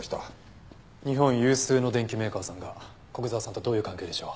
日本有数の電機メーカーさんが古久沢さんとどういう関係でしょう？